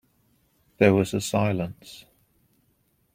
There was a silence.